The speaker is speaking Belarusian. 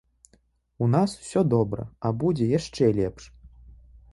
У нас усё добра, а будзе яшчэ лепш!